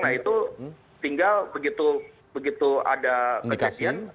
nah itu tinggal begitu ada kejadian